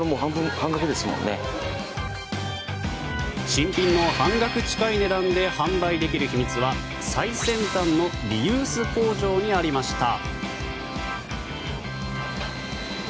新品の半額近い値段で販売できる秘密は最先端のリユース工場にありました。